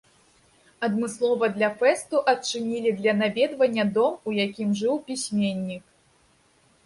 Адмыслова для фэсту адчынілі для наведвання дом, у якім жыў пісьменнік.